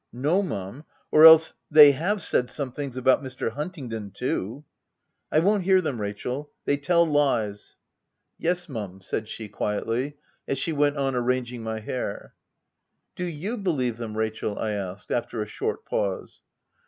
u No mum — or else, they have said some things about Mr. Huntingdon too." " I won't hear them, Rachel ; they tell lies." OF WILDFELL HALL. 63 " Yes mum/ 5 said she, quietly, as she went on arranging my hair. " Do you believe them, Rachel V I asked, after a short pause.